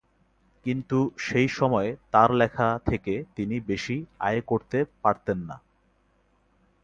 কিন্তু, সেই সময়ে তাঁর লেখা থেকে তিনি বেশি আয় করতে পারতেন না।